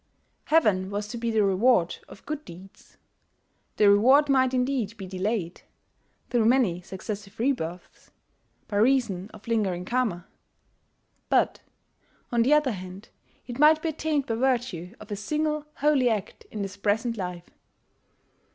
Heaven was to be the reward of good deeds: the reward might indeed be delayed, through many successive rebirths, by reason of lingering Karma; but, on the other hand, it might be attained by virtue of a single holy act in this present life.